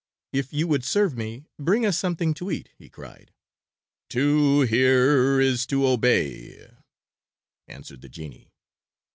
"If you would serve me bring us something to eat," he cried. "To hear is to obey," answered the genie.